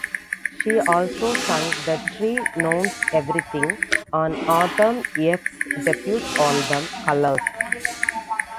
She also sang "The Tree Knows Everything" on Adam F's debut album, "Colours".